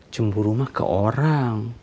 cumbu rumah ke orang